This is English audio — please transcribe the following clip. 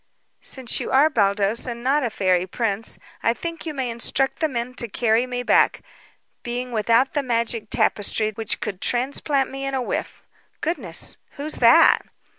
"Since you are Baldos, and not a fairy prince, I think you may instruct the men to carry me back, being without the magic tapestry which could transplant me in a whiff. Goodness, who's that?"